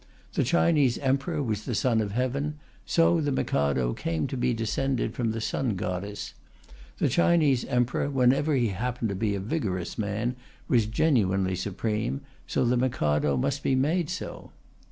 The Chinese Emperor was the Son of Heaven, so the Mikado came to be descended from the Sun Goddess. The Chinese Emperor, whenever he happened to be a vigorous man, was genuinely supreme, so the Mikado must be made so.